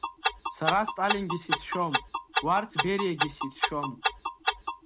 Сара Сталингьы сицәшәом, уарҭ Бериагьы сицәшәом.